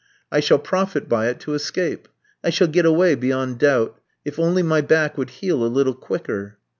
I shall profit by it to escape. I shall get away beyond doubt. If only my back would heal a little quicker!"